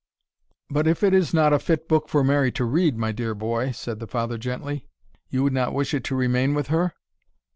"But if it is not a fit book for Mary to read, my dear boy," said the father, gently, "you would not wish it to remain with her?"